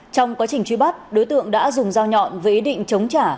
trong quá trình truy bắt đối tượng đã dùng dao nhọn với ý định chống trả